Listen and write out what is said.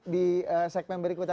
di segmen berikutnya